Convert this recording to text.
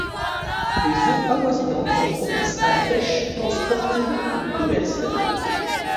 Les eaux avoisinantes sont propices à la pêche tant sportive que commerciale.